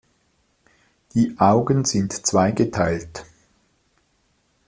Die Augen sind zweigeteilt.